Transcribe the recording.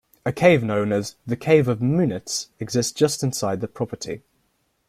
A cave known as "The Cave of Munits" exists just inside the property.